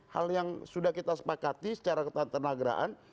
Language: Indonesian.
hal yang sudah kita sepakati secara ketatanegaraan